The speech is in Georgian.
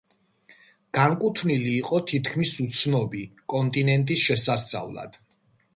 განკუთვნილი იყო თითქმის უცნობი კონტინენტის შესასწავლად.